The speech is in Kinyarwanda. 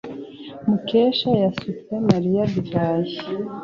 Mukesha yasutse Mariya divayi.